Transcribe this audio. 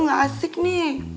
gak asik nih